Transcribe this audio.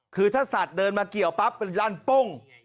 คือถ้าสัตว์เดินมาเกี่ยวปั๊บเป็นลั่นโป้ง